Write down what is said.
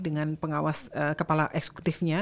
dengan pengawas kepala eksekutifnya